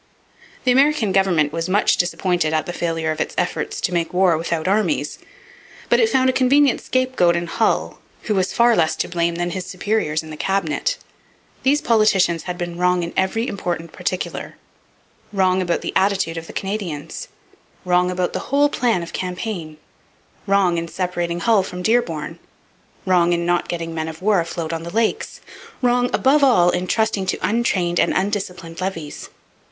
The American government was much disappointed at the failure of its efforts to make war without armies. But it found a convenient scapegoat in Hull, who was far less to blame than his superiors in the Cabinet. These politicians had been wrong in every important particular wrong about the attitude of the Canadians, wrong about the whole plan of campaign, wrong in separating Hull from Dearborn, wrong in not getting men of war afloat on the Lakes, wrong, above all, in trusting to untrained and undisciplined levies.